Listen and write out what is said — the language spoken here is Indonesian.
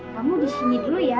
kamu disini dulu ya